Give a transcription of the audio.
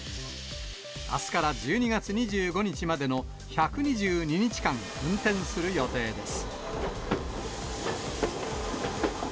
あすから１２月２５日までの１２２日間、運転する予定です。